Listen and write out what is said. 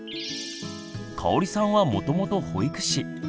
かおりさんはもともと保育士。